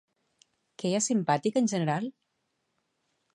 Queia simpàtic en general?